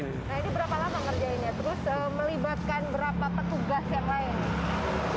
nah ini berapa lama ngerjainnya terus melibatkan berapa petugas yang lain